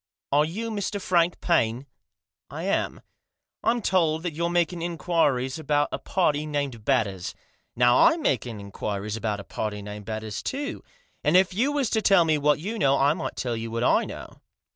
Are you Mr. Frank Paine ?"" I am." "I'm told that you're making inquiries about a party named Batters ; now I'm making inquiries about a party named Batters, too ; and if you was to tell me what you know, I might tell you what I know."